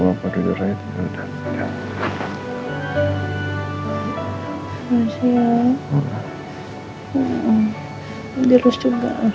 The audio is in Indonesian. jelas juga aku